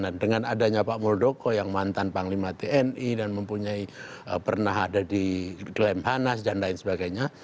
dan dengan adanya pak muldoko yang mantan panglima tni dan mempunyai pernah ada di glembhanas dan lain sebagainya